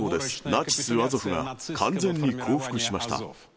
ナチスアゾフが完全に降伏しました。